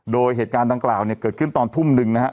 โดยเหตุการณ์ดังกล่าวเนี่ยเกิดขึ้นตอนทุ่มหนึ่งนะฮะ